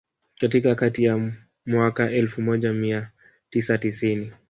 Katika kati ya mwaka Elfu moja mia tisa tisini